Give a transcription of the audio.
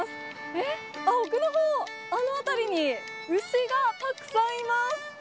えっ、あっ、奥のほう、あの辺りに、牛がたくさんいます。